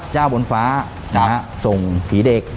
เจ้าบนฟ้ามาส่งผีเด็ก